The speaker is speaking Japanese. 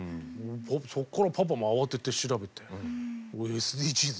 そこからパパも慌てて調べてＳＤＧｓ